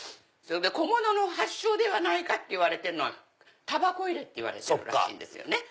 小物の発祥ではないかといわれてるのがたばこ入れっていわれてるらしいんですよね。